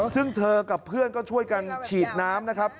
ซึ่งเธอกับเพื่อนก็ช่วยกันฉีดน้ำนะครับ